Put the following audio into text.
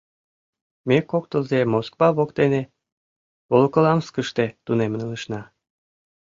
Ме кок тылзе Москва воктене, Волоколамскыште, тунемын илышна.